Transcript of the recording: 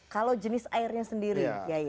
kalau jenis airnya sendiri